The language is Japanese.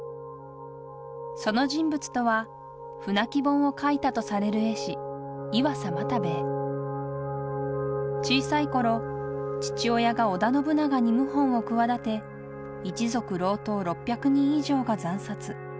その人物とは「舟木本」を描いたとされる絵師小さいころ父親が織田信長に謀反を企て一族郎党６００人以上が惨殺。